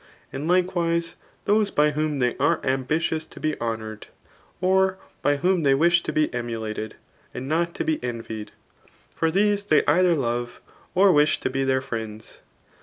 And likewise those by whom they are ambitious to be honoured, or by whom tfaey wish to be emulated, and not to be envied ; for diese they either love, or wish to be their friends.